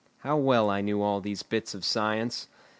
How well I knew all these bits of science!